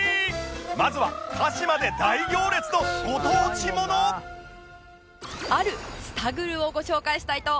まずは鹿島で大行列のご当地ものあるスタグルをご紹介したいと思います。